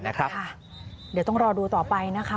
เดี๋ยวต้องรอดูต่อไปนะคะ